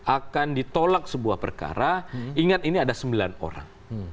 akan ditolak sebuah perkara ingat ini ada sembilan orang